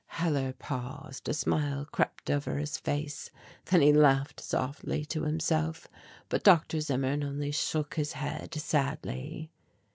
'" Hellar paused; a smile crept over his face. Then he laughed softly and to himself but Dr. Zimmern only shook his head sadly.